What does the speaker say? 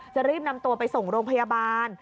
จะรีบนำตัวไปส่งโรงพยาบาล